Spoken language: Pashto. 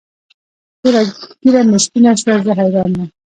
توره ږیره مې سپینه شوه زه حیران یم.